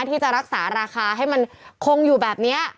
ที่จะรักษาราคาให้มันคงอยู่แบบนี้